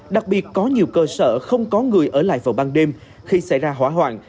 đặc biệt có nhiều cơ sở không có người ở lại vào ban đêm khi xảy ra hỏa hoạn